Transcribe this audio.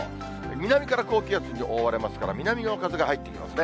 南から高気圧に覆われますから、南の風が入ってきますね。